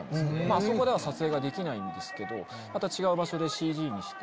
あそこでは撮影ができないんですけどまた違う場所でＣＧにして。